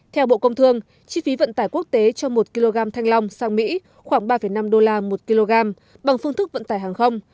theo bộ công thương chi phí vận tải quốc tế cho một kg thanh long sang mỹ khoảng ba năm đô la một kg bằng phương thức vận tải hàng không